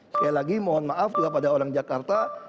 sekali lagi mohon maaf juga pada orang jakarta